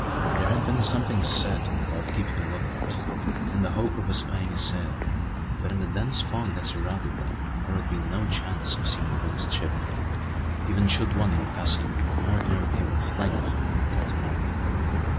There had been something said about keeping a look out, in the hope of espying a sail; but in the dense fog that surrounded them there would be no chance of seeing the biggest ship, even should one be passing at an ordinary cable's length from the Catamaran.